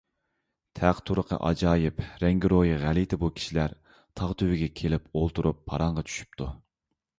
تەق - تۇرقى ئاجايىپ، رەڭگىرويى غەلىتە بۇ كىشىلەر تاغ تۈۋىگە كېلىپ ئولتۇرۇپ پاراڭغا چۈشۈپتۇ.